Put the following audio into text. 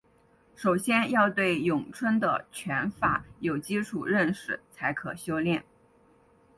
首先要对咏春的拳法有基础认识才可修练。